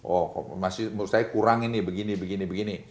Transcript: oh masih menurut saya kurang ini begini begini